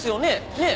ねえ？